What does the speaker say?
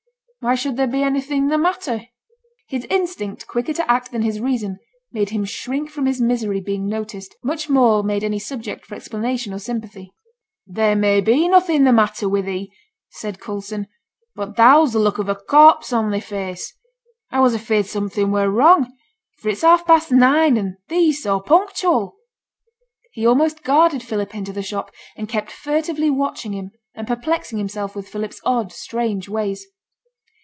'Why should there be anything the matter?' His instinct, quicker to act than his reason, made him shrink from his misery being noticed, much more made any subject for explanation or sympathy. 'There may be nothing the matter wi' thee,' said Coulson, 'but thou's the look of a corpse on thy face. I was afeared something was wrong, for it's half past nine, and thee so punctual!' He almost guarded Philip into the shop, and kept furtively watching him, and perplexing himself with Philip's odd, strange ways.